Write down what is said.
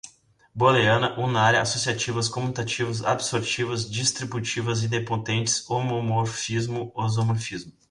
booleana, unária, associativas, comutativas, absortivas, distributivas, idempotentes, homomorfismo, isomorfismos